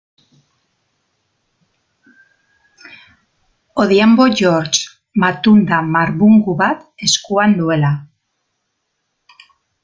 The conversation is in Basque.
Odhiambo George, matunda marbungu bat eskuan duela.